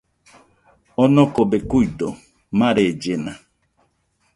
Onokobe kuido, marellena